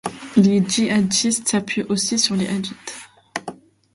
Les djihadistes s'appuient aussi sur les Hadiths.